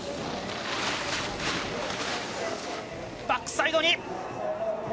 バックサイドに。